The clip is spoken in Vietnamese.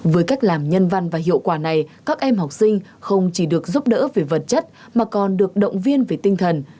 với cách làm nhân văn và hiệu quả này các em học sinh không chỉ được giúp đỡ về vật chất mà còn được động viên về tinh thần